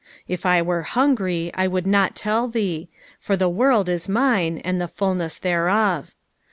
12 If I were hungry, I would not tell thee : for the world is mine, and the fulness thereof.